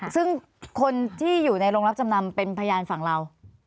ซึ่งคนที่อยู่ในโรงรับจำนำเป็นพยานฝั่งเรา